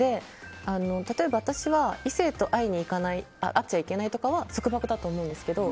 例えば、私は異性と会っちゃいけないとかは束縛だと思うんですけど。